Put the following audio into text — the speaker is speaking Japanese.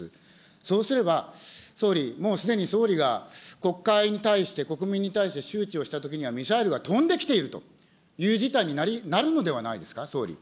そうすれば、総理、もうすでに総理が国会に対して、国民に対して周知をしたときにはミサイルが飛んできているという事態になるのではないですか、総理。